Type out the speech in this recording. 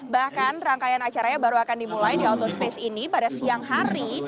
bahkan rangkaian acaranya baru akan dimulai di auto space ini pada siang hari